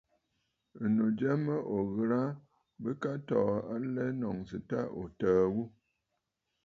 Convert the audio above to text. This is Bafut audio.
Ɨ̀nnu jya mə o ghɨrə̀ aa, bɨka tɔɔ alɛ ɨ nɔ̀ŋsə tâ ò təə ghu.